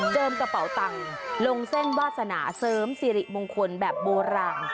กระเป๋าตังค์ลงเส้นวาสนาเสริมสิริมงคลแบบโบราณ